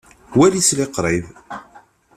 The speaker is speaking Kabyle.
Wali s liqṛib!